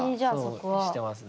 してますね。